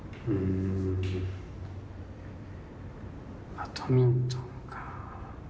バドミントンか。